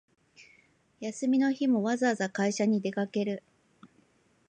休みの日もわざわざ会社に出かける